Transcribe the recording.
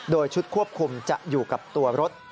โดยชุดควบคุมจะอยู่กับตัวรถ